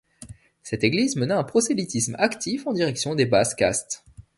Cette Église mena un prosélytisme actif en direction des basses castes.